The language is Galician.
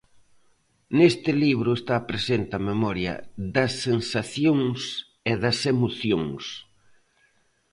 Neste libro está presente a memoria das sensacións e das emocións.